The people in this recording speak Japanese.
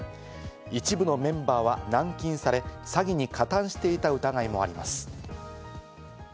一部のメンバーは軟禁され、詐欺に加担していた疑いもあります。